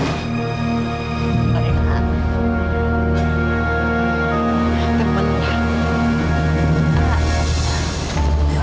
pak ya kan